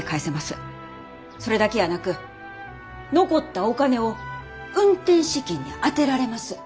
それだけやなく残ったお金を運転資金に充てられます。